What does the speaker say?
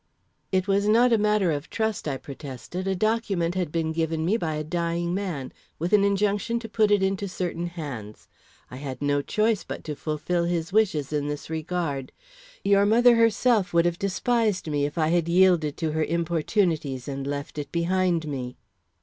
"It was not a matter of trust," I protest. "A document had been given me by I a dying man, with an injunction to put it into certain hands. I had no choice but to fulfil his wishes in this regard. Your mother herself would have despised me if I had yielded to her importunities and left it behind me."